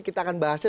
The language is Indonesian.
kita akan bahasnya